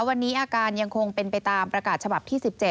วันนี้อาการยังคงเป็นไปตามประกาศฉบับที่๑๗